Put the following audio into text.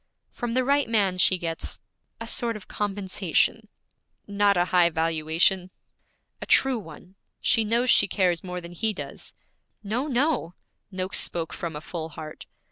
'From the right man she gets a sort of compensation.' 'Not a high valuation.' 'A true one; she knows she cares more than he does.' 'No, no!' Noakes spoke from a full heart.